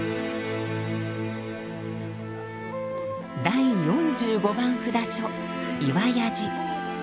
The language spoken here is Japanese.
第４５番札所岩屋寺。